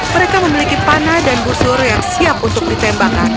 mereka memiliki panah dan busur yang siap untuk ditembakkan